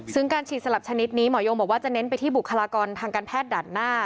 ซึ่งการฉีดสลับชนิดนี้หมอยงบอกว่าจะเน้นไปที่บุคลากรทางการแพทย์ด่านหน้า